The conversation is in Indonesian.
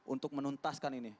untuk menuntaskan ini